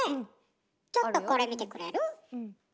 ちょっとこれ見てくれる？